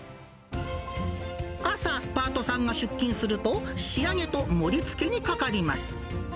朝、パートさんが出勤すると、仕上げと盛りつけにかかります。